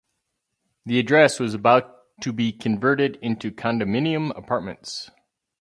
The address was about to be converted into condominium apartments.